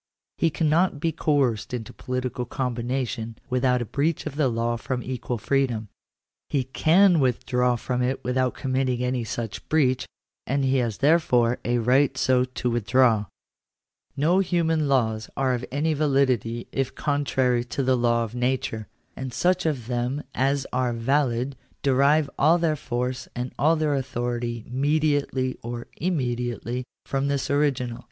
He cannot be coerced into political combination without a breach of the law of equal freedom ; he can withdraw from it without committing any such breach ; and he has therefore a right so to withdraw. Digitized by VjOOQIC THE RIGHT TO IGNORE THE STATE. 207 §2. *' No human laws are of any validity if contrary to the law of nature ; and such of them as are valid derive all their force and all their authority mediately or immediately from this original."